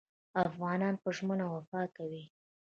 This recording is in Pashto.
افغانان په ژمنه وفا کوي.